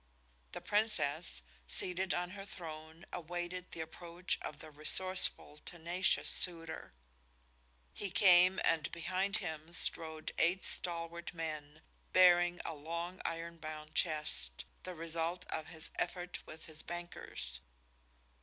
The Princess, seated on her throne, awaited the approach of the resourceful, tenacious suitor. He came and behind him strode eight stalwart men, bearing a long iron bound chest, the result of his effort with his bankers.